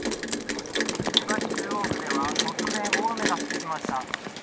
千葉市中央区では突然、大雨が降ってきました。